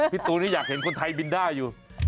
ตูนนี่อยากเห็นคนไทยบินได้อยู่